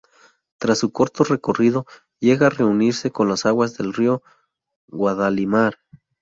Tras su corto recorrido, llega a reunirse con las aguas del río Guadalimar.